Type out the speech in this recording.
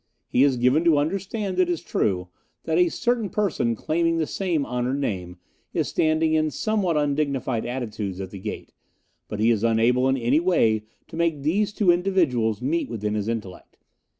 He is given to understand, it is true, that a certain person claiming the same honoured name is standing in somewhat undignified attitudes at the gate, but he is unable in any way to make these two individuals meet within his intellect.